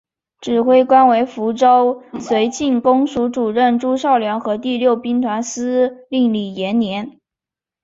指挥官为福州绥靖公署主任朱绍良和第六兵团司令李延年。